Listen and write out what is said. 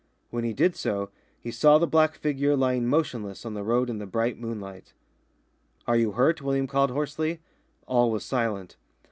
When he did so, he saw the black figure lying motionless on the road in the bright moonlight. "Are you hurt?" William called hoarsely. All was silent.